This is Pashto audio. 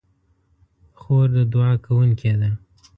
خور د دعا کوونکې ده.